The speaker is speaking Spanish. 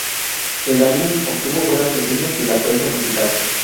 El álbum obtuvo buenas reseñas de la prensa musical.